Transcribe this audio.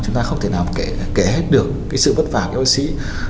chúng ta không thể nào kể hết được sự vất vả của y bác sĩ